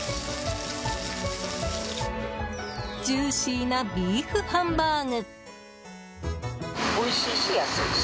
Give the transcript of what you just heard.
ジューシーなビーフハンバーグ。